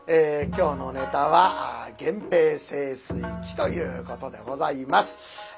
今日のネタは「源平盛衰記」ということでございます。